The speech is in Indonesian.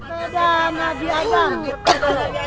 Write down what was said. udah lagi ada